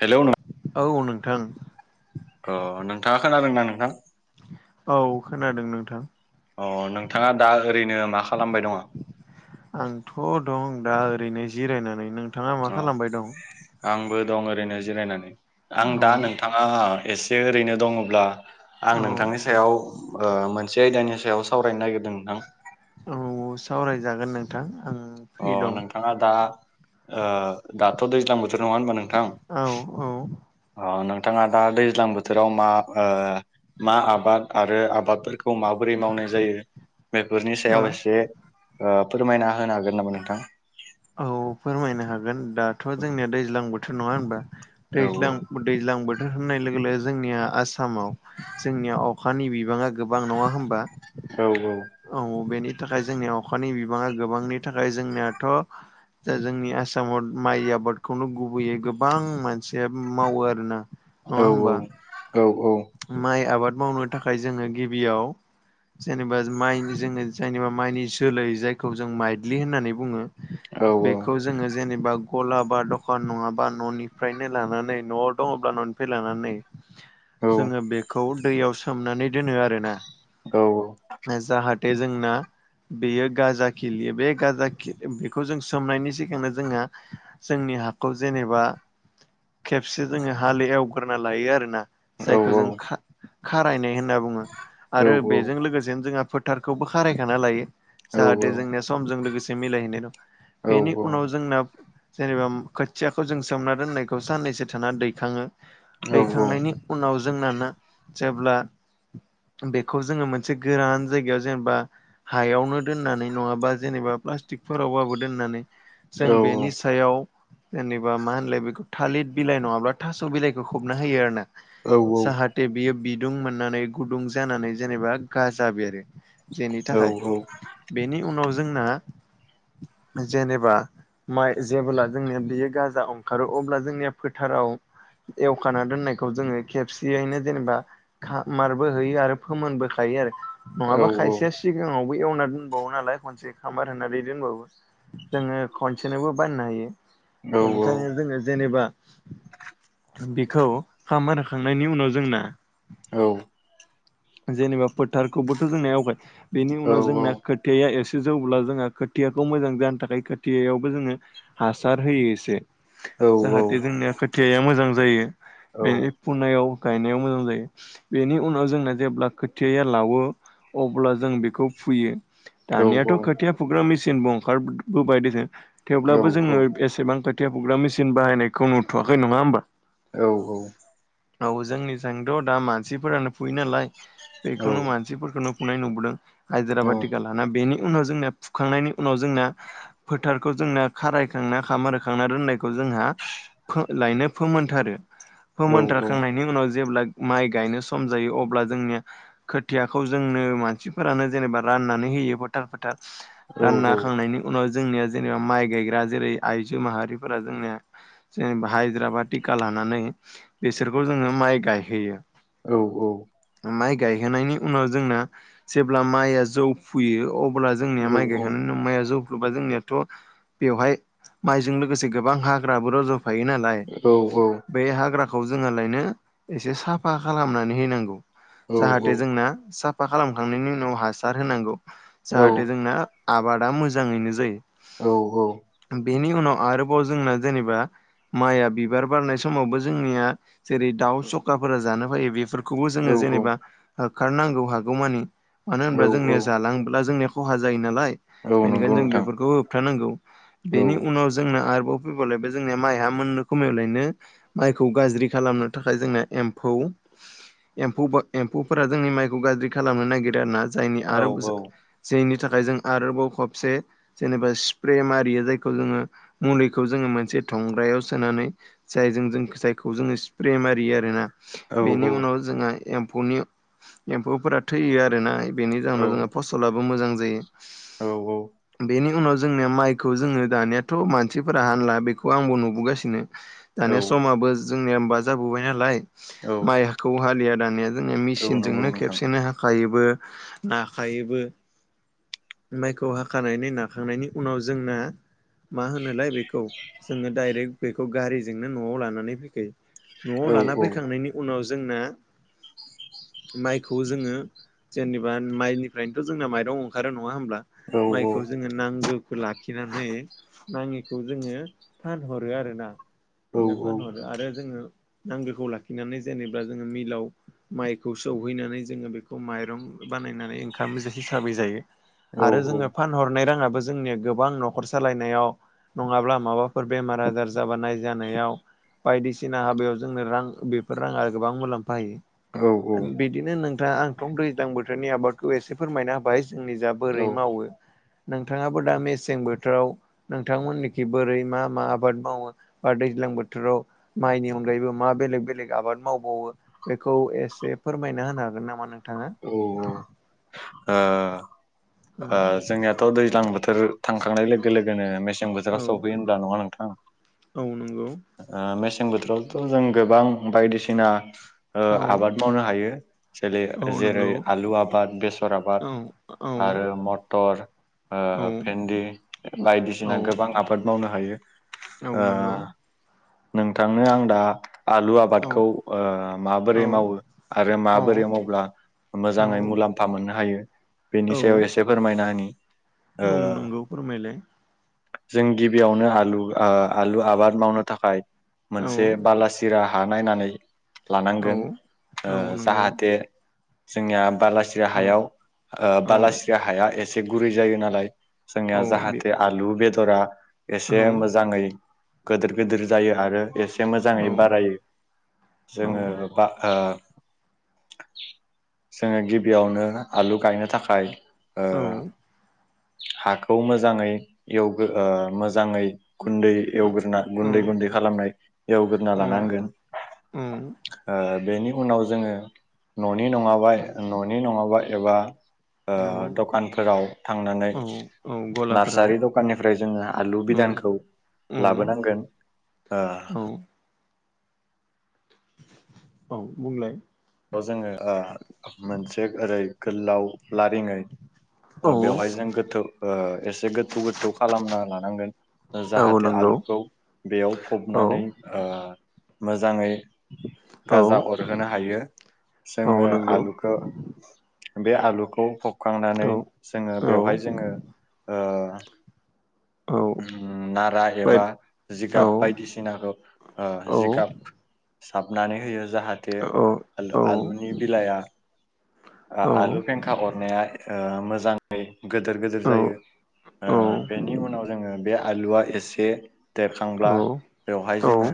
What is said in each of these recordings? Hello नों औ नोंथां। अ नोंथाङा खोनादोंना नोंथां? औ खोनादों नोंथां। अ नोंथाङा दा ओरैनो मा खालामबाय दङ? आंथ' दं दा ओरैनो जिरायनानै नोंथाङा मा खालामबाय दं? बो दं ओरैनो जिरायनानै आं औ दा नोंथाङा एसे ओरैनो दङब्ला औ आं नोंथांनि सायाव ओ मोनसे आयदानि सायाव सावरायनो नागिरदों नोंथां। औ सावरायजागोन नोंथां। आं फ्रि अ दं नोंथाङा दा ओ दाथ' दैज्लां बोथ थोर नङा होनबा नोंथां? औ औ अ नोंथाङा दा दैज्लां बोथोराव मा ओ मा आबाद आरो आबादफोरखौ माबोरै मावनाय जायो बेफोरनि सायाव एसे ओ फोरमायना होनो हागोन नामा नोंथां? औ फोरमायनो हागोन दाथ' जोंनिया दैज्लां बोथोर नङा होनबा औ दैज्लां औ दैज्लां बो नो होननाय लोगो लोगो जोंनिया आसामाव जोंनिया अखानि बिबाङा गोबां नङा होमबा। औ औ बेनि थाखाय जोंनिया अखानि बिबाङा गोबांनि थाखाय जोंनियाथ' दा जोंनि आसामाव माइ आबादखौनो गुबैयै गोबां मानसिया मावो आरोना। औ नङा होमबा औ औ औ। माइ आबाद मावनो थाखाय जोङो गिबियाव जेनेबा माइनि जोंनो जायनोबा माइनि जोलै जायखौ जों माइद्लि होननानै बुङो। बेखौ जोङो जेनेबा ग'ला बा दखान नङाबा न'निफ्रायनो लानानै न'आव दङ'ब्ला न'निफ्राय लानानै [inaudible] जोङो बेखौ दैयाव सोमनानै दोनो आरोना जाहाथे जोंना बेयो गाजा खिलियो बे गाजा खि बेखौ जों सोमनायनि सिगांनो जोङो जोंनि नि हाखौ जेनेबा खेबसे जोङो हाल एवग्रोना लायो आरोना। जायखौ जों का खारायनाय होनना बुङो आरो बेजों लोगोसेनो जोंहा फोथारखौबो खारायखाना लायो जाहाथे जोंनिया समजों लोगोसे मिलायहैनाय र' बेनि उनाव जोंना जेनेबा खोथियाखौ जों सोमना दोननायखौ साननैसो थाना दैखाङो दैखांनायनि उनाव जोंना ना जेब्ला [inaudible] बेखौ जोङो मोनसे गोरान जायगायाव जेनेबा हायावनो दोननानै नङाबा जेनेबा प्लास्टिक फोरावबाबो दोननानै जों बेनि सायाव जेनेबा मा होनलाय बेखौ थालिर बिलाइ नङाब्ला थास' बिलाइखौ खोबना होयो आरो ना। जाहाथे बियो बिदुं मोननानै गुदुं जानानै जेनेबा गाजा बेरो। जेनि थाखाय बेनि उनाव जोंना जेनेबा माइ जेबोला जोंनिया बेयो गाजा ओंखारो अब्ला जोंनिया फोथाराव एवखाना दोननाय खौ जोङो खेबसेयैनो जेनेबा खामारबो होयो आरो फोमोनबोखायो आरो। नङाबा खायसेया सिगाङाव बो एवना दोनबावो नालाय खनसे खामार होनानै दोनबावो जोङो खनसेनोबो बानायनो हायो। बेनिखायनो जोङो जेनेबा बिखौ खामार होखांनायनि उनाव जोंना औ जेनेबा फोथारखौबोथ' जोंना आवगाय बेनि औ उनाव जोंना खोथिया एसे जौब्ला जोंहा खोथियाखौ मोजां जानो थाखाय खोथियायावबो जोङो हासार होयो एसे औ जाहाथे जोंनिया खोथियाया मोजां जायो औ बेनि फुनायाव गायनायाव मोजां जायो बेनि उनाव जोंना जेब्ला खोथियया लावो अब्ला जों बेखौ फुयो दानियाथ' खोथिया फुग्रा मेचिनबो ओंखारबोबायदेसो थेवब्लाबो जोङो एसेबां खोथिया फुग्रा मेसिन बाहायनायखौ नुथ'वाखै नङा होमबा औ औ औ जोंनिजोंथ' दा मानसिफोरानो फुयो नालाय बेखौनो मानसिफोरखौनो फुनाय नुबोदों हाइजिरा बा टिका लाना बेनि उनाव जोंना फुखांनायनि उनाव जोंना फोथारखौ जोंना खारायखांना खामार होखांना रोननायखौ जों जोंहा फो लायनो फोमोनथारो फोमोनथारखांनायनि उनाव जेब्ला माइ गायनो सम जायो अब्ला जोंनि खोथियाखौ जोंनो मानसिफोरानो जेनेबा राननानै होयो फोथार फो थार रानना होखांनायनि उनाव जोंनिया जेनेबा माइ गायग्रा जेरै आइजो माहारिफोरा जोंनिया जेनेबा हायद्राबा टिका लानानै नानै बिसोरखौ जोङो माइ गायहोयो औ औ माइ गायहोनायनि उनाव जोंना जेब्ला माइया जौ फुयो अ ब्ला जोंनिया माइ गायखांनायनि उनाव माइया जौ बा जोंनियाथ' बेवहाय माइजों लोगोसे गोबां हाग्राबो रज' नालाय बै हाग्रा खौ जोङा लायनो इसे साफा खालामनानै होनांगौ जाहाथे जोंना सा फा खालामखांनायनि उनाव हासार होनांगौ जाहाथे जोंना आबादा मोजाङैनो जायो औ औ बेनि उनाव आरोबाव जोंना जेनेबा माइआ बिबार बारनाय समावबो जोंनिया जेरै दाउ सखाफोरा जानो फायो बेफोरखौ खौबो जोङो जेनेबा होखारनांगौ हागौमानि मानो होनाब्ला जोंनिया जालांब्ला जोंनिया खहा जायो नालाय नंगौ बेनिखायनो जों नोंथां बेफोरखौ होबथानांगौ औ बेनि उनाव जोंनो आरो बाव फैबावलायबाय जोंनिया माइआ मोननो खमायावलायनो माइखौ गाज्रि खालामनो थाखाय जोंना एम्फौ [inaudible] एम्फौ एम्फौफोरा जोंनि माइखौ गाज्रि खालामनो नागिरो आरो ना जायनि आरो औ औ जायनि थाखाय जों आरोबाव खबसे जेनेबा स्प्रे मारियो जायखौ जोङो मुलिखौ जोङो मोनसे थंग्रायाव सोनानै जायजों जों जायखौ जोङो स्प्रे मारियो आरोना औ बेनि औ उनाव जोंहा एम्फौनि एम्फौफोरा थैयो आरोना बेनि जाहोनाव जोंहा औ फसलाबो मोजां जायो औ बेनि उनाव जोंनिया माइखौ जोङो दानियाथ' मानसिफोरा हानला बेखौ आंबो नुबोगासिनो औ दानि समाबो जोंनिया होमबा जाबोबाय नालाय औ माइहाखौ हालिया दानिया जों औ नंगौ मेसिनजोंनो नोंथां खेबसेनो हाखायोबो नाखायोबो माइखौ हाखानानै नाखांनायनि उनाव जोंना मा होनोलाय बेखौ जोङो डायरेक्ट बेखौ गारिजोंनो न'आव लानानै फैखायो न'आव औ लाना औ फैखांनायनि उनाव जोंना माइखौ जोङो जेनेबा माइनिफ्रायनोथ' जोंना माइरं ओंखारोन न ङा होमब्ला औ माइखौ जोङो नांगौ लाखिनानै नाङिखौ जोङो फानहरो आरोना औ जोङो फानहरो आरो जोङो नांगौखौ लाखिनानै जेनेबा जोङो मिलाव माइखौ सौहैनानै जोङो बेखौ माइरं बानायनानै ओंखाम हिसाबै जायो औ आरो जोङो फानहरनाय राङाबो जोंनिया गोबां न'खर सालायनायाव नङाब्ला माबा फोर बेमार आजार जाबा नायजानायाव बायदिसिना हाबायाव जोंनो रां राङा गोबां मुलाम्फा होयो बिदिनो नों थां आंथ' दैज्लां बोथोरनि आबादखौ एसे फोरमायना होबाय जोंनिजा बोरै औ मावो नोंथाङाबो दा मेसें बोथोराव नोंथांमोननिखि बोरै मा मा आबाद मावो बा दैज्लां ज्लां बोथोराव माइनि अनगायैबो मा बेलेग बेलेग आबाद मावबावो बेखौ एसे फोरमायना होनो हागोन नामा नों औ औ ओ ओ जोंनियाथ' दैज्लां बोथोर थांखांनाय लोगो लोगोनो मेसें औ बोथोराव सफैयो होनब्ला नङा नोंथां औ नों ओ मेसें बोथोरावथ' जों गोबां बायदिसिना औ आबाद मावनो हायो जेरै औ जेरै नंगौ आलु आबाद बेसर आबाद औ औ आरो मटर ओ भेन्दि बायदिसिना औ गोबां आबाद मावनो हायो औ नोंगौ ओ नोंथांनो आं दा आलु औ आबादखौ ओ माबोरै औ मावो आरो औ माबोरै मावब्ला मोजाङै औ मुलाम्फा मोननो हायो औ बेनि सायाव एसे फोरमायना होनि ओ औ नंगौ फोरमायलाय जों गिबियावनो आलु ओ आलु आबाद मावनो थाखाय औ मोनसे बालासिरा हा नायनानै औ लानांगोन ओ औ नंगौ जाहाथे जोंनिया बालासिरिया औ हायाव ओ औ बालासिरिया हाया एसे गुरै जायो नालाय जोंनिया औ बे जाहाथे आलु बेदरा औ एसे मोजाङै गोदोर गोदोर जायो आरो एसे औ मोजाङै बारायो जोङो बा ओ जोङो गिबियावनो आलु गायनो थाखाय ओ औ हाखौ मोजाङै एवगोर ओ मोजाङै खुन्दै औ एवग्रोना गुन्दै गुन्दै खालामनाय एवगोरना औ लानांगोन बेनि उनाव जोङो न'नि नङाबा न'नि नङाबा एबा ओ औ दखानफोराव थांनानै औ औ गलाफोराव नार्सारि दखाननिफ्राय जोङो आलु औ बिदानखौ औ लाबोनांगोन ओ औ औ बुंलाय जोङो मोनसे ओरै गोलाव लारिङै औ बेवहाय जों गोथौ ओ एसे गोथौ गोथौ खालामना लानांगोन औ जाहाथे नंगौ आलुखौ बेयाव औ फबनानै ओ मोजाङै औ गाजा अरहोनो हायो औ जोङो नंगौ आलुखौ बे आलुखौ फबखांनानै औ जोङो औ बेवहाय जोङो ओ औ उम नारा बाय एबा औ जिगाब बायदिसिनाखौ ओ औ जिगाब साबनानै होयो जाहाथे औ औ आलुनि बिलाइआ ओ औ आलु फेंखा अरनाया ओ मोजाङै गोदोर गोदिर औ जायो औ बेनि उनाव जोङो बे आलुआ एसे देरखांब्ला बेवहाय जोङो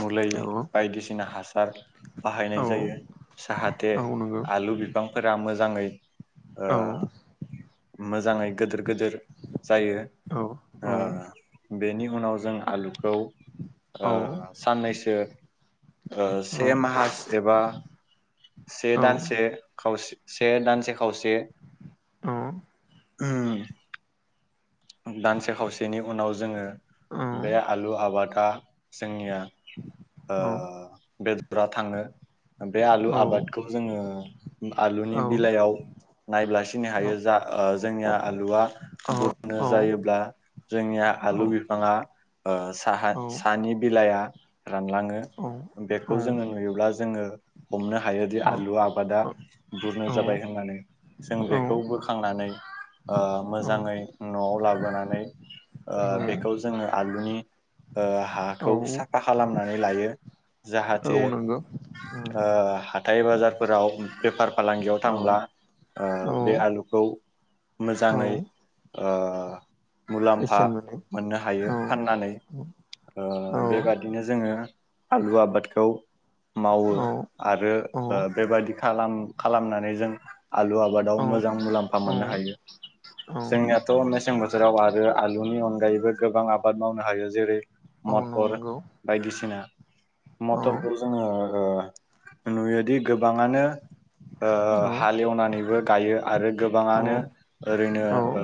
मलै बायदिसिना हास बाहायनाय औ जायो जाहाथे औ नंगौ आलु बिफांफोरा मोजाङै ओ औ मोजाङै गोदोर गोदोर जायो औ ओ बेनि उनाव जों आलु खौ औ ओ साननैसो ओ से माहास एबा से दानसे खावस से दानसे खावसे औ उम दानसे खावसेनि उनाव जोङो बे आलु आबादा जोंनिया ओ बेदरा थाङो बे आलु आबादखौ जोङो आलुनि औ बिलाइयाव नायब्ला सिनाय औ हायो जा ओ औ जोंनिया आलुआ बुर नंगौ जायोब्ला जोंनिया आलु बिफाङा ओ साहा सानि बिलाइया रानलाङो बेखौ जोङो नुयोब्ला जोङो हमनो हायोदि आलु आबादा बुरनो जाबाय होननानै जों बेखौ बोखांनानै ओ मोजाङै न'आव लाबोनानै ओ बेखौ जोङो आलुनि ओ हाखौ साफा खालामनानै लायो जाहाथे ओ हाथाय बाजारफोराव बेफार फालांगियाव थांब्ला औ ओ बे औ आलुखौ औ मोजाङै ओ मुलाम्फा बेसेन मोनो मोननो हायो औ फाननानै। ओ औ बेबादिनो जोङो आलु आबादखौ मावो औ आरो ओ बेबादि खालाम खालामनानै जों आलु आबादाव औ मोजां मुलाम्फा मोननो हायो। औ जोंनियाथ मेसें बोथोराव आरो आलुनि अनगायैबो गोबां आबाद मावनो हायो। जेरै औ मटर नंगौ बायदिसिना औ मटरखौ जोङो ओ नुयोदि गोबाङानो ओ औ हालेवनानैबो गायो आरो गोबाङानो औ ओरैनो औ ओ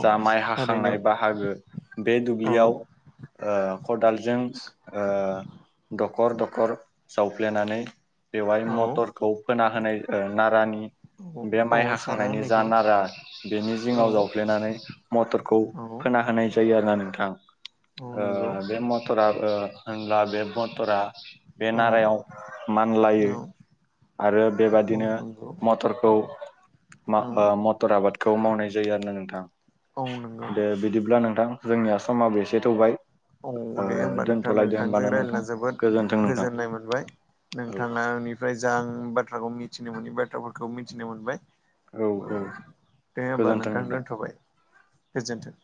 जा माइ हाखांनाय बाहागो बे औ दुब्लियाव ओ खदालजों द खर दखर सावफ्लेनानै बेवहाय औ मटरखौ फोना होनाय ओ नारानि बे औ माइ सारना हाखांनायनि जा होनायखौ नारा बेनि औ सिङाव जावफ्लेनानै मटरखौ औ फोना होनाय जायो आरोना नोंथां। औ नंगौ ओ बे मटरा ओ होनब्ला बे मटरा बे औ नारायाव मानलायो। औ आरो औ बेबादिनो नंगौ मटरखौ मा औ ओ मटर आबादखौ मावनाय जायो आरो ना नोंथां। औ नंगौ दे बिदिब्ला नोंथां जोंनि आसामाबो एसे थौबाय। औ ओ दे होमबा नोंथां दोनथ'लायदो होनबा नोंथांजों ना नोंथां रायज्लायना जोबोद गोजोन्थों नोंथां गोजोननाय मोनबाय औ नोंथाङा निफ्राय जा आं बाथ्राखौ मिथिनो मोनै बा थ्राफोरखौ मिथिनो मोनबाय। औ दे होमबा नोंथां दोनथ'बाय गोजोनथों।